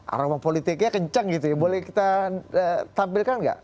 aroma politiknya kencang gitu ya boleh kita tampilkan nggak